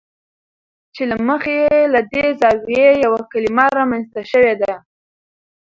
چې له مخې یې له دې زاویې یوه کلمه رامنځته شوې ده.